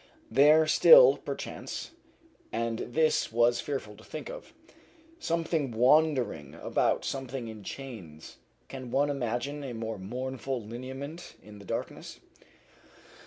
There still, perchance, and this was fearful to think of. Something wandering about something in chains can one imagine a more mournful lineament in the darkness?